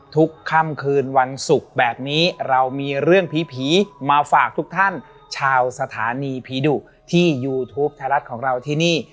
ทุกค่ำคืนวันศุกร์แบบนี้เรามีเรื่องผีมาฝากทุกท่านชาวสถานีผีดุที่ยูทูปไทยรัฐของเราที่นี่